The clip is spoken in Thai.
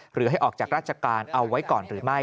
หรือให้ออกจากราชการเอาไว้ก่อนหรือไม่